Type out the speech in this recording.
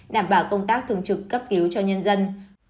đảm bảo công tác thường trực cấp cứu cho nhân dân